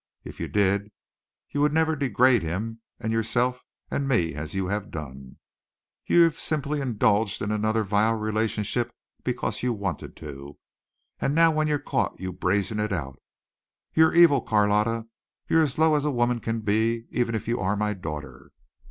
If you did you would never degrade him and yourself and me as you have done. You've simply indulged in another vile relationship because you wanted to, and now when you're caught you brazen it out. You're evil, Carlotta. You're as low as a woman can be, even if you are my daughter."